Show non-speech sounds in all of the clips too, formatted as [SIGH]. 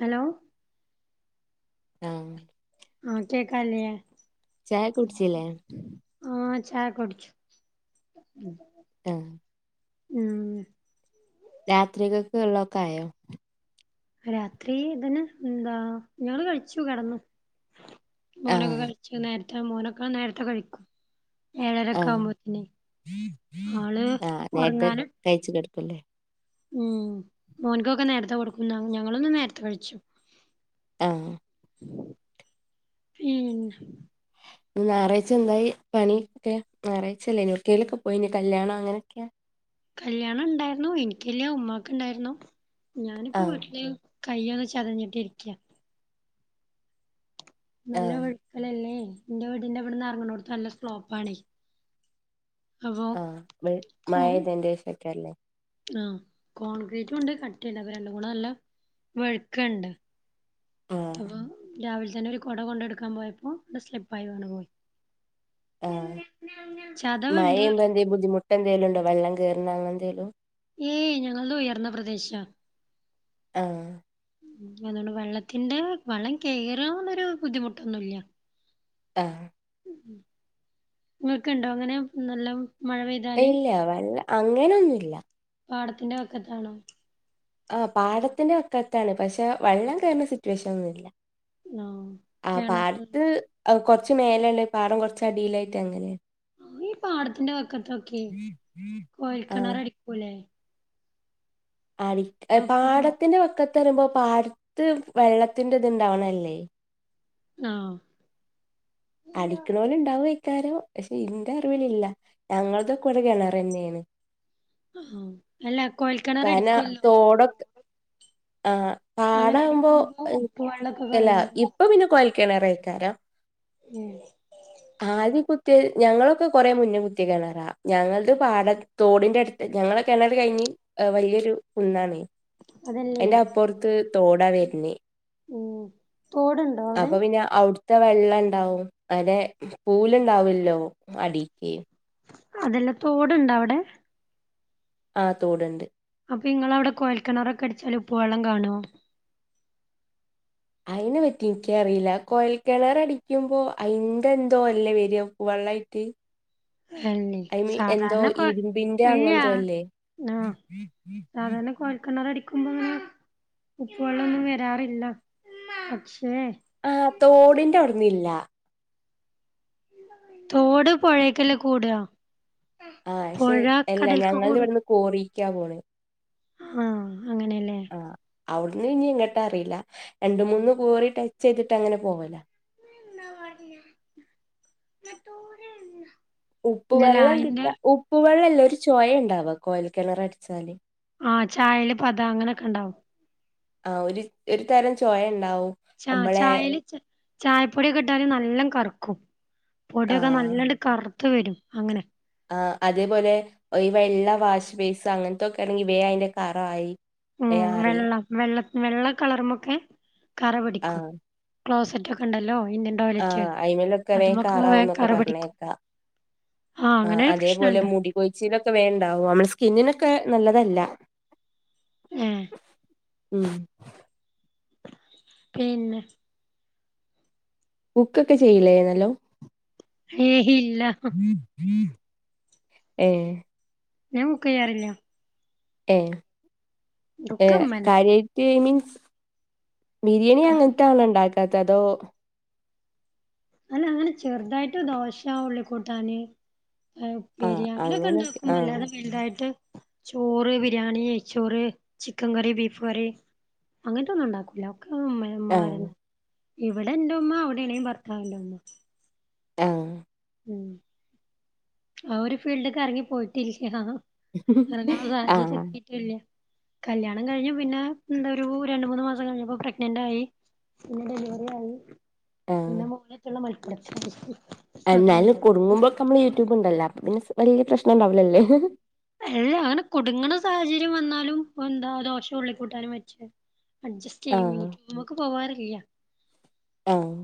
Hello? ആഹ് ആഹ കേക്കാലേ? ചായ കുടിച്ചില്ലേ? ആഹ ചായക കുടിച്ചു. ആഹ് ആഹ് രാത്രി കക്ക് ഉള്ളോതോക്കെ ആയോ? രാത്രി ഇതിനൊ എന്താ ഞങ്ങള് കഴിച്ചു കിടന്നു. മോനൊക്കെ ആഹ് കഴിച്ചു നേരത്തെ മോനൊക്കെ നേരത്തെ കഴിക്കും. ഏഴരൊക്കെ ആഹ് ആകുമ്പോത്തിനെ ആള് ഉറങ്ങാനും കഴച്ചി കൊടുക്കുല്ലേ? ഉം മോന്ക് ക്കൊക്കെ നേരത്തെ കൊടുക്കും. ഞങ്ങളും ഇന്ന് നേരത്തെ കഴിച്ചു. ആഹ് ഉം ഞായാഴ്ച എന്തായി പണിക്കെ ഞായാഴ്ചല്ലെനോ ഒട്കോകൊ പോയി പോനോ കല്യാണം. അങ്ങനെയൊക്കെ കല്യാണം ഉണ്ടായിന്നു എനിക്കില്ല ഉമ്മാക്ക് ഉണ്ടായിരുന്നു. ഞാനിപ്പോ ആഹ് വീട്ടില്. കയ്യ് ഒന്ന് ചതഞ്ഞിട്ട് ഇരിക്ക. നല്ല ആഹ് വഴുക്കലല്ലേ എൻ്റെ വീടിന്റെ ഇവിടുന്ന് ഇറങ്ങ്ണോത്. നല്ല സ്ലോപ്പണ്. ആഹ മഴ പെയ്തതിന്റെ ശേഷം അയി ക്കാരംല്ലോ? ആ കോൺക്രീറ്റും ഉണ്ട് കട്ടിംട് അപ്പ രണ്ട് കൂടെ നല്ല വെഴ്ക്കുണ്ട്. ആഹ് അപ്പൊ രാവിലെ തന്നെ ഒരു കുട കൊണ്ട എടുക്കാൻ പോയപ്പോ സ്ലപ്പ് ആയിവീണ് പോയി. ചതവുണ്ട്. ബുധിമുട്ട എന്തോലുംണ്ടോ വെള്ളം കോറുന്ന എന്തേലും. ഏയ് ഞങ്ങളത് ഉയർന്ന പ്രദേശാ. ആഹ് അതുകൊണ്ട് വെള്ളത്തിന്റെ വള്ളം കയറന്നൊരു ബുദ്ധിമുട്ടൊന്നുല്ല. ആഹ് ഉ നിങ്ങക്ക്ണ്ടോ അങ്ങനെ നല്ലം. ഇല്ല വൈള അങ്ങനൊന്നുല്ല. പാടത്തിന്റെ പക്കത്താണോ? ആ പാടത്തിന്റെ പക്കത്താണ് പക്ഷെ വെള്ളം കയറുന്ന സിറ്റുവേഷൻ ഒന്നുംമില്ല. ആഹ് ആ കിണറ് പാടത്ത്. കുറച്ച് മേല ഉളള പാടം കുറച്ച് അടിയിലായിട്ട് അങ്ങനെയാണ്. ആ ഈ പാടത്തിന്റെ പക്കത്തൊക്കെ ആ കോയൽക്കിണ്ണർ അടിക്കൂലേ? അടി അപ്പൊ പാടത്തിന്റെ പക്കത്ത് വരുമ്പോ പാടത്ത് വെള്ളത്തിന്റെ ഇത്ണ്ടാവണല്ലേ? ആഹ് അടിക്ക്ണോര് ഉണ്ടാവു അയികാരം. പക്ഷെ ഇന്റെ അറിവില് ഇല്ല. ഞങ്ങള്ത് ഒരു കിണ്ണറ്ന്നെണ്. ആ അല്ല കോഴൽക്കിണർ അടിക്കുമല്ലോ? കോടക് ആഹ് അങ്ങനെ പാടാകുമ്പോ അടിക്കുമ്പോ ഉപ്പ് വെള്ളൊക്കെ അല്ലാ കാണോ ഇപ്പൊ പിന്നെ കൊയൽക്കെണറെക്കാരം ഉം ആദ്യ കുത്തിയ ഞങ്ങളൊക്കെ കൊറെ മുന്നേ കുത്തിയ കെണറാ ഞങ്ങൾത് പാടത് തോടിന്റെ എടുത്ത് ഞങ്ങള കെണർ കഴിഞ്ഞ് വല്യരു കുന്നാണ് അതല്ലേ അതിന്റെ അപ്പുറത്ത് തോടാ വരുന്നേ ഉം തോടുണ്ട് അപ്പൊ പിന്നെ അ അവിടുത്തെ വെള്ളംണ്ടാവും അതെ പൂലുണ്ടാവുലല്ലോ അടിക്ക് അതെല്ല തോടുണ്ടോ അവിടെ ആ തോടുണ്ട് അപ്പൊ ഇങ്ങള അവിടെ കോഴൽക്കണറൊക്കെ അടിച്ചാ ഉപ്പ് വെള്ളം കാണോ അയിനെ പറ്റി ഇൻക്കറീല്ല കോയൽക്കിണർ അടിക്കുമ്പോ അയിന്റെന്തോ അല്ലേ വരാ ഉപ്പ് വെള്ളായിട്ട് അല്ലേ ഐ മീൻ എന്തോ സാധാരണ കൊ ഇരുമ്പിന്റെ ഇല്ല അങ്ങെന്തോ അല്ലേ ആഹ് സാധാരണ കൊഴൽക്കെണർ അടി ക്കുമ്പോ ങ്ങനെ ഉപ്പ് വെള്ളൊന്നും വരാറില്ല പക്ഷേ ആഹ് തോടിന്റെ അവ്ടിന്നില്ല തോട് പുഴേക്കല്ല കൂടാ ആഹ് പക്ഷെ പൊഴ അല്ലാ കടൽക്ക് ഞങ്ങൾത് കൂടും ഇവിടെന്ന് കോറിക്കാ പോണ് ആഹ് അങ്ങനെലേ ആഹ് അവിടന്ന് ഇഞ്ഞി എങ്ങട്ടാ അറീല്ല രണ്ട് മൂന്ന് കോറി ടച്ച് ചെയ്തിട്ട് അങ്ങനെ പോവല ന്ന മറിയ മോര ഉപ്പ് വെള്ളം കിട്ടാ ഉപ്പ് വെള്ളംല്ല ഒരു ചൊയണ്ടാവാ കൊയൽ കിണർട്ച്ചാല് ആഹ് ചായേൽ പത അങ്ങനെക്കെ ഉണ്ടാവും ആഹ് ഒരു ഒരു തരം ചൊയ ഉണ്ടാവും ച നമ്മളെ ചായൽ ചായപ്പൊടിയൊക്കെ ഇട്ടാലും നല്ല കറുക്കും പൊടിയൊക്കെ ആഹ് നല്ലണ്ട് കറുത്ത് വരും അങ്ങനെ ആ അതേപോലെ ഈ വെള്ള വാഷ് വേസ് അങ്ങൻത്തൊക്കെ ആണെങ്കി വേ അയിന്റെ കറായി ഉം വേം അറിയും വെള്ളം വെള്ള വെള്ള കളറുമക്ക് കറ പിടിക്കും ആഹ് ക്ലോസെറ്റ് ഒക്കെണ്ടല്ലോ ഇന്റൻ ആഹ് അയിമലൊക്കെ വേം കാറാവന്നൊക്കെ കറ പിടിക്കും പറഞ്ഞേക്കാ അങ്ങനെ ആഹ് ഒരു അതേപോലെ പ്രശ്നണ്ട് മുടി കൊഴിച്ചിലൊക്കെ വേണ്ടാവും നമ്മള് സ്കിന്നിനൊക്കെ നല്ലതല്ല ഏ ഉം പിന്നെ കുക്കൊക്കെ ചെയ്യിലേ നല്ലോം ഹേ ഇല്ല ഏ ഞാൻ ബുക്കെയ്യാറില്ല ഏഹ് ഇതൊക്കെ ഏഹ് ഉമ്മന്നെ കാര്യായ്‌ട്ട് മീൻസ് ബിര്യാണി അങ്ങൻത്തെ ആണോ ണ്ടാക്കാത്തെ അതോ അല്ല അങ്ങനെ ചെർതായ്ട്ട് ദോശാ ഉള്ളിക്കൂട്ടാന് ആഹ് ഉപ്പേരി അങ്ങനെയൊക്കെ അങ്ങനൊക്കെ ഉണ്ടാക്കും ആഹ് അല്ലാതെ വലുതായിട്ട് ചോറ് ബിരിയാണി നെയ്ചോറ് ചിക്കൻ കറി ബീഫ് കറി അങ്ങൻത്തെ ഒന്നും ഉണ്ടാക്കൂല ഒക്കെ മെ മാരൻ ആഹ് ഇവിടെ എന്റെ ഉമ്മ അവിടെണെ ഭർത്തവിന്റെ ഉമ്മ ഏ ഉം ആ ഒരു ഫീൽഡക്ക് എറങ്ങി പോയിട്ടില്ലാ എറങ്ങാള്ള ആഹ് സാഹചര്യത്തി ല്ല കല്യാണം കഴിഞ് പിന്നെ എന്താ ഒരു രണ്ട് മൂന്ന് മാസം കഴിഞ്ഞപ്പോ പ്രഗ്നന്റ് ആയി പിന്നെ ഡെലിവറി ആയി ആഹ് പിന്നെ മോളേറ്റുള്ള മത്സരം എന്നാലും കുടുങ്ങുമ്പൊക്കെ അമ്മള് യൂട്യൂബ് ഉണ്ടല്ലോ അപ്പൊ പിന്നെ വല്യ പ്രശ്നം ഉണ്ടാവുലല്ലേ അല്ല അങ്ങനെ കുട്ങ്ങ്ണ സാഹചര്യം വന്നാലും എന്താ ദോഷം ഉള്ളി കൂട്ടാനും വെച്ച് അഡ്ജസ്റ്റ് ചെയ്യും ആഹ് മീറ്റ്മ്മക്ക് പോവാറില്ല ആഹ്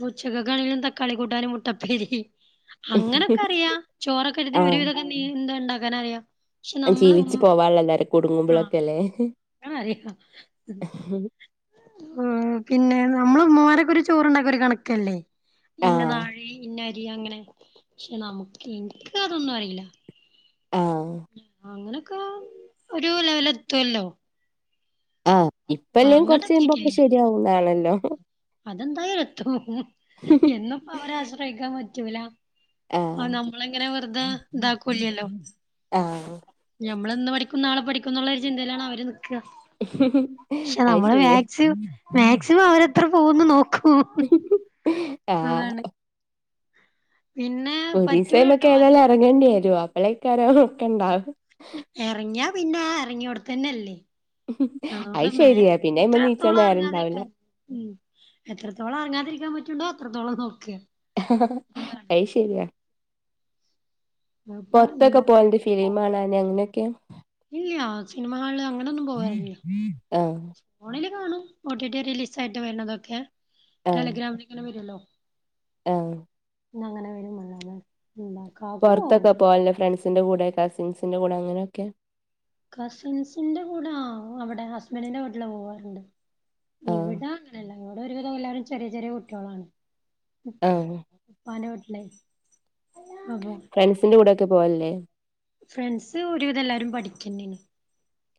കൊർച്ചൊക്കെ കയ്ഞ്ഞാ തക്കളി കൂട്ടാനും മുട്ടപ്പേരി അങ്ങനൊക്കെ അറിയാ ചോറൊക്കാെര്ത് [UNINTELLIGIBLE] ഒരുവിതൊക്കെ നീ എന്താണ്ടാക്കാന അറിയാം ജീവിച്ച് പോവാൻള്ളതറിം കുടുങ്ങുമ്പളെക്കെല്ലേ ആഹ് മാറിക്കും ഉം പിന്നെ നമ്മളെ മ്മമാരൊക്കെ ഒര് ചോറ്ണ്ണെക്കെ ഒര് കണക്കല്ലേ ഇന്ന ആഹ് നാഴി ഇന്ന അരി അങ്ങനെ പക്ഷെ നമുക്ക് ഇൻക്കതൊന്നും അറീലാ ആഹ് അങ്ങനൊക്കെ ഒരു ലെവെലെത്തു അല്ലോ ആഹ് ഇപ്പല്ലേം അങ്ങട്ട് കൊർച്ച് കയ്മ്പാെക്കെ ശെര്യാവും ന്നാണല്ലോ അതെന്താ എത്ര [UNINTELLIGIBLE] എന്നുപ്പം അവരാശ്രയിക്കാം പറ്റൂല ആഹ് നമ്മള്ങ്ങനെ വെർതെ താക്കൂല്യല്ലോ ആഹ് ഞമ്മള്ന്ന് പഠിക്കും നാളെ പഠിക്കുംന്നുള്ളൊരു ചിന്തേലാണ് അവര് നിക്കാ ക്ഷെ അത് നമ്മള് ശരി മാക്സിം മാക്സിമം അവരെ എത്ര പോവൂന്ന് നോക്കും ആഹ് അതാണ് പിന്നെ പറ്റൂലട്ടോ ഒരീസയ്മെക്കേതേയാലും അധികം എറങ്ങെണ്ട്യേരും അപ്പളേക്കാരം ഒക്കെണ്ടാവ എറങ്ങ്യാ പിന്നെ ആ എറങ്ങ്യാേട്ത്തന്നെല്ലേ അയ് ശെര്യാ പിന്നെയ്മന്ന് നീച്ചാ ഇത്രത്തോളം നേരണ്ടാവ്‌ലാ ഇറങ്ങാതിരിക്കാൻ ഉം എത്രത്തോളം അറങ്ങാതിരിക്കാൻ പറ്റ്ണ്ടോ അത്രത്തോളം നോക്കാ അയ് ശെരിയാ അപ്പ പൊരത്തൊക്കെ ഇമ്മമാരെ പോവൽണ്ടൊ ഫിലീമാണാന് അങ്ങനെക്കെ ഇല്ല്യാ സിനിമ കാണല് അങ്ങനെ ഒന്നും പോവാർല്ലാ ആഹ് ഫോണില് കാണും ഓട്ടീട്ടി റിലീസായ്ട്ട് വര്ണതൊക്കെ ടെലിഗ്രാമില്ങ്ങനെ വെരു അല്ലോ ഏഹ് ഇഞ്ഞങ്ങനെ വരും [UNINTELLIGIBLE] ന്താ പൊർത്തൊക്കെ പോവൽണ്ടോ ഫ്രൺസ്ന്റെ കൂടെ കസിൻസിന്റെ കൂടെ അങ്ങനെയൊക്കെ കസിൻസ്ന്റെ കൂടെ ആഹ് നമ്മ്ടെ ഹസ്ബന്റിന്റെ വീട്ട്ല് പോവാറ്ണ്ട് ആഹ് ഇവ്ടാ അങ്ങനെല്ലാ ഇവ്ടെ ഒരുവിധം എല്ലാരും ചെറ്യെ ചെറ്യേ കുട്ട്യോളാണ് ആഹ് പ്പാന്റെ വീട്ട്ലേ അപ്പം ന്റെ കൂടെ ഒക്കെ പോവൽല്ലേ ഫ്രണ്ട്സ് ഒര് വിധം എല്ലാരും പഠിക്കെന്നേണ്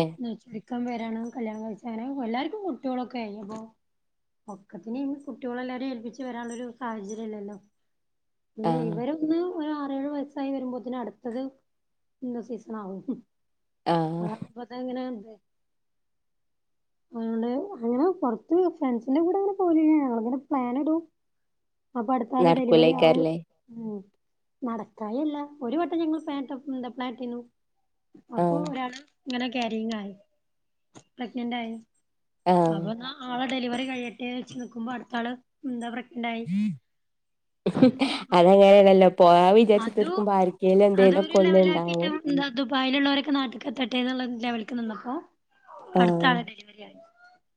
ഏഹ് ബിക്കം വരണം കല്യാണം കഴിച്ച് അങ്ങനെ എല്ലാര്ക്കും കുട്ട്യോളൊക്കേയ് ഞ്ഞിപ്പോ ഒക്കെത്തിനി അയ്ന് കുട്ട്യോളെല്ലാരിം ഏൽപ്പിച്ച് വരാനാെരു സാഹചര്യംല്ലല്ലോ പിന്നെ ആഹ് ഇവരും ഇന്ന് ഒരാറേഴ് വയസ്സായി വരുമ്പോത്ത്ന് അട്ത്തത് ഇന്ന് സീസണാവും ആഹ് ആഹ് അപ്പൊ തങ്ങനെ ത് [INAUDIBLE] അതുകൊണ്ട് അങ്ങനെ പൊർത്ത് ഫ്രണ്ട്സിന്റെ കൂടെ അങ്ങനെ പോല് ഞങ്ങളങ്ങനെ പ്ലാന്ടും അപ്പട്ത്താള് ഡെലിവറി ആവൂലേ നടക്കൂലേക്കാരല്ലേ ഉം നടക്കായല്ല ഒര് വട്ടം ഞങ്ങൾ പ്ലാൻട്ട എന്താ പ്ലാട്ടീന്നു അപ്പൊ ആഹ് ഒരാള് ഇങ്ങനെ കാരീങ്ങായി പ്രഗ്നന്റായ് ആഹ് അപ്പൊന്നാ ആളെ ഡെലിവറി കയ്യട്ടെന്ന് വെച്ച് നിക്ക്മ്പോ അട്ത്താള് ന്താ പ്രഗ്നന്റായി അതങ്ങനെയണല്ലോ പോകാം അതു വിചാര്ച്ച്ത്തർക്കുമ്പം ആര്ക്കേലും എന്തേലും ഒക്കെ ഒന്ന്ണ്ടാവും ന്താ ദുബായ്ലുള്ളോരൊക്കെ നാട്ട്ക്കെത്തെട്ടെ ന്ന്ള്ളെ ലെവൽക്ക് നിന്നപ്പോ അട്ത്തെ ആഹ് ആളെ ഡെലിവറ്യായ്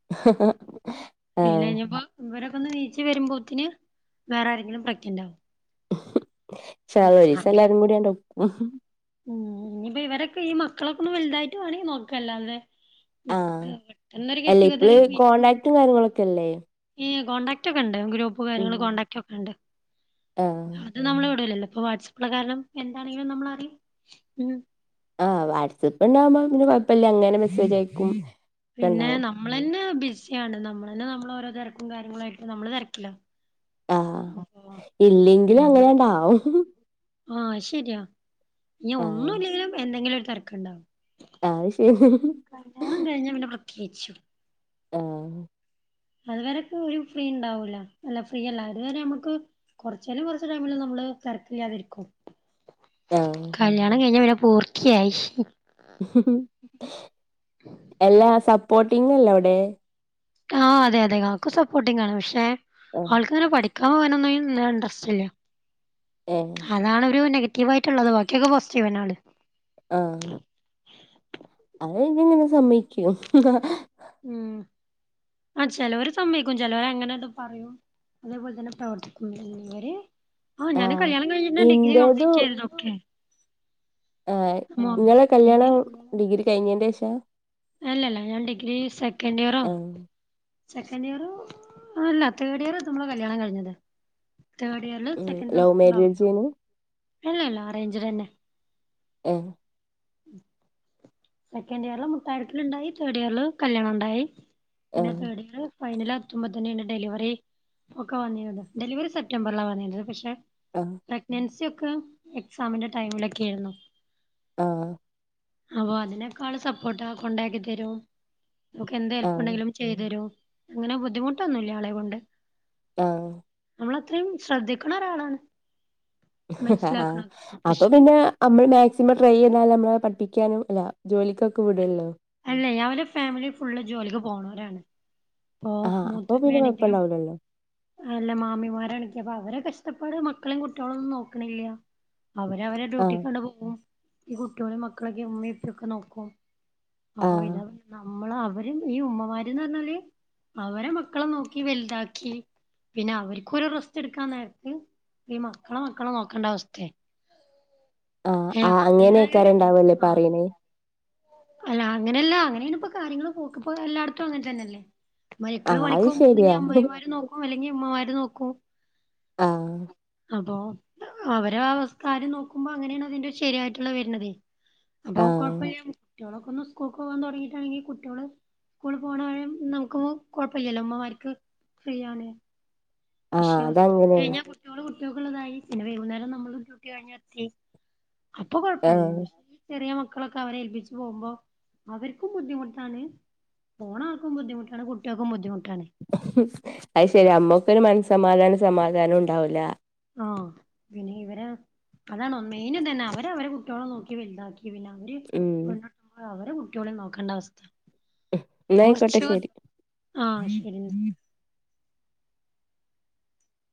[INAUDIBLE] പിന്നെ ഞ്ഞ്പ്പോ ഇവരൊക്കെ ഒന്ന് നീച്ച് വരുമ്പോത്തിന് വേറെ ആരെങ്കിലും പ്രഗ്നൻ്റാവും ഇൻഷാല്ലാഹ് ഒരീസം എല്ലാരും കൂടി അട് ഉം ഇനിയിപ്പോ ഇവരൊക്കെ ഈ മക്കളൊക്കെ ഒന്ന് വലുതായിട്ടും വാണേ ഒന്ന് നോക്കല്ലാതെ ഇപ്പ ആഹ് പെട്ടെന്നൊര് ഗെറ്റുഗതർ ക്കല്ലേ ഈ കോൺടാക്ട് ഒക്കെ ഉണ്ട് ഗ്രൂപ്പ് കാര്യങ്ങള് കോടാക്ട് ഒക്കെ ഉണ്ട് ആഹ് ഇത് നമ്മള് ഇടൂലല്ലോ ഇപ്പൊ വാട്സപ്പള്ള കാരണം എന്താണെങ്കിലും നമ്മറിയ ആഹ് വാട്സ്ആപ്പ് ഉണ്ടാവുമ്പോ പിന്നെ കുഴപ്പില്ല അങ്ങനെ മെസ്സേജ് അയിക്കും പിന്നെ നമ്മളന്നെ ബിസിയാണ് നമ്മൾ തന്നെ നമ്മള ഓരോ തിരക്കും കാര്യങ്ങളായിട്ട് നമ്മള് തിരക്കിലോ ആഹ് ഇല്ലെങ്കിലും അങ്ങനെണ്ടാവും ആഹ് ശരിയാ ഇഞ് ആഹ് ഒന്നുംല്ലെങ്കിലും എന്തെങ്കിലും ഒരു തെര്ക്കുണ്ടാവും ആഹ് ശരി കല്യാണം കഴിഞ്ഞ പിന്നെ പ്രത്യേകിച്ചും ആഹ് അതുവരൊക്കെ ഒരു ഫ്രീ ഉണ്ടാവൂല അല്ല ഫ്രീയല്ല അതുവരെ നമുക്ക് കുറച്ചേനും കൊറച്ച് ടൈമില് നമ്മള് തതിരക്കില്ല യാതെരിക്കും ആഹ് കല്ല്യാണം കഴിഞ്ഞ പിന്നെ പൂർത്തിയായി എല്ലാ സപ്പോർട്ടിങ്ല്ലെ അവിടെ ആഹ് അതെ അതെ കാക്കു സപ്പോർട്ടിംഗ് ആണ് പക്ഷെ ആഹ് ആൾക്കങ്ങനെ പഠിക്ക കാവനൊന്നും ഇണ്ട്രസ്റ്റില്ല ഏഹ് അതാണ് ഒരു നെഗറ്റീവ് ആയിട്ടുള്ളത് ബാക്കിയൊക്കെ പോസിറ്റീവ്ന്ന ആള് ആഹ് അത് പിന്നെ എങ്ങനെ സമ്മക്കും ഉം ആഹ് ചിലവർ സമ്മയിക്കും ചിലവർ എങ്ങനെ പറയൂ അതേപോലെ തന്നെ പ്രവർത്തിക്കുമിവര് ആ ഞാന് ആഹ് കല്യാണം കഴിഞ്ഞ ഡിഗ്രി ഇന്റേതു കപ്ലീറ്റ് ചെയ്തത് ഒക്കെ ആഹ് നിങ്ങളെ ഡിഗ്രി കല്യാണം ഡിഗ്രി കഴിഞ്ഞന്റെ ശേഷാ അല്ലല്ല ഞാൻ ഡിഗ്രി സെക്കൻഡ് ആഹ് ഇയറാകുമ്പോ സെക്കൻഡ് ഇയറ് ആല്ല തേർഡ് ഇയർ എത്തുമ്പളാ കല്യാണം കഴിഞ്ഞത് തേർഡ് ഇയർൽ ഉം സെക്കൻഡ് ലവ് സെമസ്റ്ററ് മാരേജേനു ഇല്ലല്ല റേഞ്ച് തന്നെ [INAUDIBLE] സെക്കൻഡ് ഇയറിൽ മുട്ടാടുക്കൽ ഉണ്ടായി തേർഡ് ഇയറിൽ കല്യാണം ഉണ്ടായി പിന്നെ ആഹ് തേർഡ് ഇയൽ ഫൈനൽ എത്തുമ്പോ തന്നെയാണ് ഡെലിവറി ഒക്കെ വന്നിത് ഡെലിവറി സെപ്റ്റംബറിലാണ് വന്നിരത് പക്ഷെ ആഹ് പ്രഗ്നൻസി ഒക്കെ എക്സാമിന്റെ ടൈമിലൊക്കെ ആയിരുന്നു ആഹ് അപ്പൊ അതിനെക്കാ ആള് സപ്പോർട്ടാ കൊണ്ടാക്കി തരും നമുക്ക് എന്ത് ആഹ് ഹെല്പ്പുണ്ടെങ്കിലും ചെയ്തു തരും അങ്ങനെ ബുദ്ധിമുട്ടൊന്നുല്ല ആളെ കൊണ്ട് ആഹ് നമ്മളത്രയും ശ്രദ്ധിക്കണ ഒരാളാണ് ആഹ് മനസ്സിലാക്കണൊക്കെ അപ്പൊ പക്ഷെ പിന്നെ നമ്മൾ മാക്സിമം ട്രൈ ചെയ്യതാലൽ നമ്മള പഠപ്പിക്കാനും അല്ല ജോലിക്കൊക്കെ വിടല്ലോ അല്ലേ ഞൻ ഒരു ഫാമിലി ഫുള്ള് ജോലിക്ക് പോകണവരാണ് ആഹ് അപ്പ പിന്നെ കുഴപ്പം ഉണ്ടാവില്ലല്ലോ ല്ല മാമിമാരണക്ക് അപ്പൊ അവരെ കഷ്ടപ്പാട് മക്കളും കുട്ടികളും ഒന്നും നോക്കണില്ല അവരവരെ ഡ്യൂട്ടി ആഹ് കണ്ട് പോം ഈ കുട്ടികളും മക്കളൊക്കെ ഉമ്മ ഇപ്പൊക്കെ നോക്കും അപ്പൊ ആഹ് ഇതാ നമ്മള് അവരും ഈ ഉമ്മമാരന്ന് പറഞ്ഞാല് അവരെ മക്കളെ നോക്കി വലുതാക്കി പിന്നെ അവർക്ക് ഒരു റസ്റ്റ് എടുക്കാൻ നേരത്തെ ഈ മക്കളോ മക്കളോ നോക്കണ്ട അവസ്ഥയ ആഹ് ആഹ് അവരുടേതായ അങ്ങനെൊക്കാ ഒരു ഉണ്ടാവല്ലേ ആഹ് പറയ്ണേ അല്ല അങ്ങനെയല്ല അങ്ങനെയാണ് ഇപ്പോ കാര്യങ്ങള് പോക്കിപ്പോ എല്ലായിടത്തും അങ്ങനെ തന്നെയല്ലേ മക്കള് ആഹ് അത് പണിക്കോപോന്നങ്കി ശരിയാ അമ്മയിമാര് നോക്കും അല്ലെങ്കി അമ്മമാര് നോക്കും ആഹ അപ്പൊ അവര അവസ്ഥാര് നോക്കുമ്പോ അങ്ങനെയാണ് അതിന്റെ ശരിയായിട്ടുള്ള വരണതേ അപ്പൊ ആഹ് കൊഴപ്പമ കുട്ടികളൊക്കെ ഒന്ന് സ്കൂൾക്ക് പോകാൻ തുടങ്ങിട്ടാണെങ്കിൽ കുട്ടികള് സ്കൂള പോണഴ നമുക്ക് കുഴപ്പമല്ലല്ലോ ഉമ്മമാർക്ക് ഫ്രീ ആണ് ആഹ് പക്ഷെ അതങ്ങനെയാണ് കഴിഞ്ഞാ കുട്ടിക കുട്ടികക്കള്ള ഇതായി പിന്നെ വൈകുന്നേരം നമ്മള് ഡ്യൂട്ടി കഴിഞ്ഞ എത്തി അപ്പൊ ആഹ് കൊഴപ്പില്ല ചെറിയ മക്കളൊക്കെ അവരെ ഏൽപ്പിച്ചച്ച് പോകുമ്പോ അവർക്കും ബുദ്ധിമുട്ടാണ് പോണക്ക ബുദ്ധിമട്ടാണ് കുട്ടികൾക്ക് ബുദ്ധിമുട്ടാണ് അത് ശരി അമ്മക്കൊരു മനസ്സമാധാനം സമാധാനം ഉണ്ടാവൂല ആഹ പിന്നെ ഇവര് അതാണ മെയിനും തന്നെ അവര് അവരെ കുട്ടികോള നോക്കി വലുത ഉം അവ കുട്ടികള നോക്കേണ്ട അവസ്ഥ [UNINTELLIGIBLE] ർച്ച എന്നായിക്കോട്ടെ ശരി ആഹ ശരി